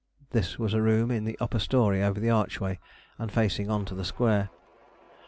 This was a room in the upper storey over the archway and facing on to the square.